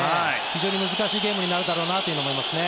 非常に難しいゲームになるだろうなと思いますね。